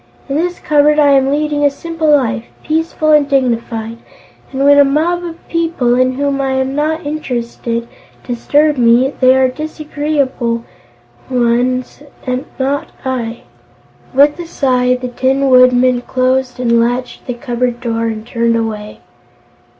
"In this cupboard I am leading a simple life, peaceful and dignified, and when a mob of people in whom I am not interested disturb me, they are the disagreeable ones; not I." With a sigh the Tin Woodman closed and latched the cupboard door and turned away.